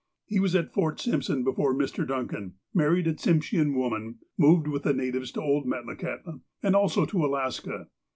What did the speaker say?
He was at Fort Simpson before Mr. Duncan, married a Tsirashean woman, moved with the natives to old Metlakahtla, and also to Alaska.